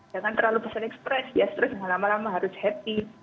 jangan terlalu basah express ya stress jangan lama lama harus happy